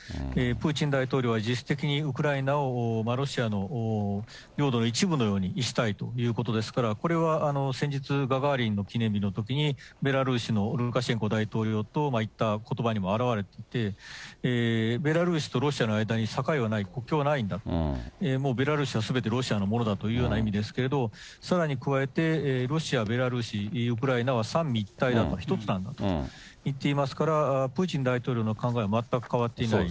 プーチン大統領は実質的にウクライナをロシアの領土の一部のようにしたいということですから、これは先日、ガガーリンの記念日のときに、ベラルーシのルカシェンコ大統領が言ったことばにも表れていて、ベラルーシとロシアの間に境はない、国境はないんだと、もうベラルーシはすべてロシアのものだというような意味ですけれど、さらに加えて、ロシア、ベラルーシ、ウクライナは三位一体だと、一つなんだといっていますから、プーチン大統領の考えは全く変わっていない。